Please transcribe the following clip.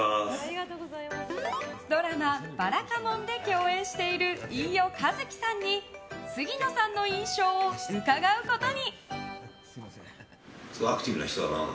ドラマ「ばらかもん」で共演している飯尾和樹さんに杉野さんの印象を伺うことに。